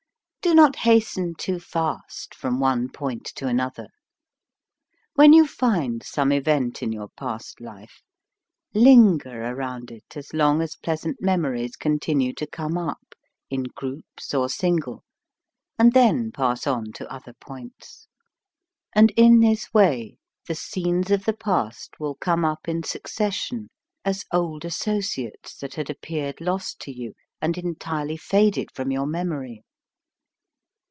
Do not hasten too fast from one point to an other. When you find some event in your past life, linger around it as long as pleasant memories continue to come up, in groups or single, and then pass on to other points; and in this way the scenes of the past will come up in succession as old associates that had appeared lost to you, and entirely faded from your memory.